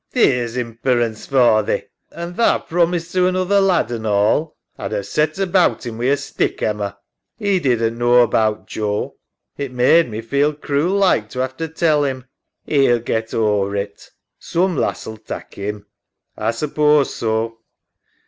'^ Theer's imperence for thee, an' tha promised to another lad, an' all. A'd 'ave set about 'im wi' a stick, Emma. EMMA. 'E didn't knaw about Joe. It made me feel cruel like to 'ave to tell 'im. SARAH. 'E'U get ower it. Soom lass'U tak' 'im. EMMA. A suppose so.